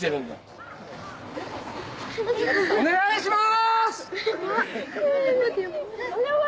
「お願いしまーす！」